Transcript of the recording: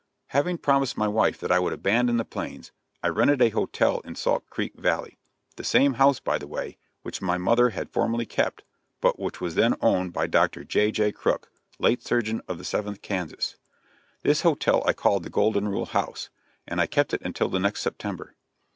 Having promised my wife that I would abandon the plains, I rented a hotel in Salt Creek Valley the same house by the way, which my mother had formerly kept, but which was then owned by Dr. J.J. Crook, late surgeon of the 7th Kansas. This hotel I called the Golden Rule House, and I kept it until the next September.